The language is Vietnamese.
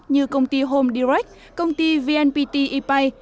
như công ty home direct công ty vnpt e pay